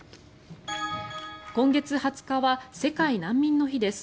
今月２０日は世界難民の日です。